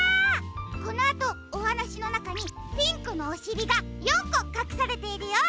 このあとおはなしのなかにピンクのおしりが４こかくされているよ。